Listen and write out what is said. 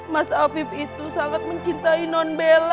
mas hafib itu sangat mencintai non bella